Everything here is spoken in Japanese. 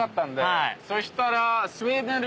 そしたら。